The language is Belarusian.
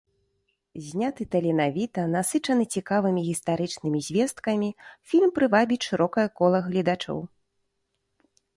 Зняты таленавіта, насычаны цікавымі гістарычнымі звесткамі фільм прывабіць шырокае кола гледачоў.